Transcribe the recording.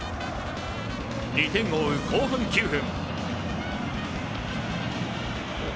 ２点を追う後半９分。